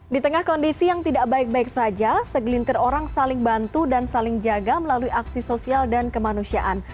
di tengah kondisi yang tidak baik baik saja segelintir orang saling bantu dan saling jaga melalui aksi sosial dan kemanusiaan